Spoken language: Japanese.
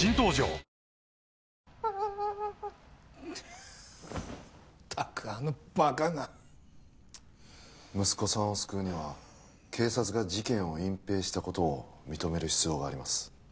まったくあのバカが息子さんを救うには警察が事件を隠蔽したことを認める必要があります